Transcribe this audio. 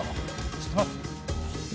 知ってます？